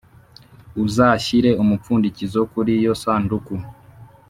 Uzashyire umupfundikizo kuri iyo sanduku